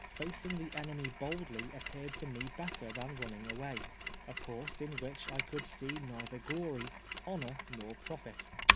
Facing the enemy boldly appeared to me better than running away ; a course in which I could see neither glory, honor, nor profit.